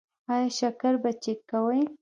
ایا شکر به چیک کوئ؟